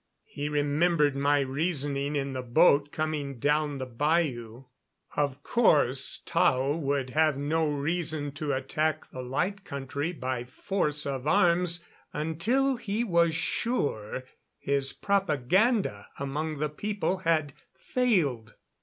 He remembered my reasoning in the boat coming down the bayou. Of course, Tao would have no reason to attack the Light Country by force of arms until he was sure his propaganda among the people had failed.